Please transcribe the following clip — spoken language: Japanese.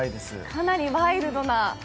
かなりワイルドな。